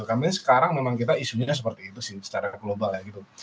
karena sekarang memang kita isunya seperti itu sih secara global ya gitu